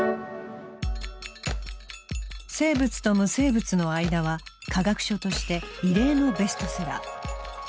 「生物と無生物のあいだ」は科学書として異例のベストセラー。